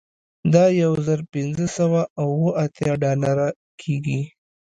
دا یو زر پنځه سوه اوه اتیا ډالره کیږي